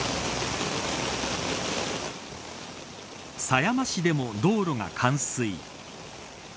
狭山市でも道路が冠水。